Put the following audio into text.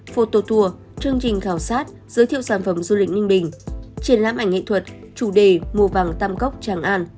photo tour chương trình khảo sát giới thiệu sản phẩm du lịch ninh bình triển lãm ảnh nghệ thuật chủ đề mùa vàng tam cốc tràng an